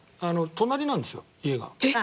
隣なんですよ家が。えっ！？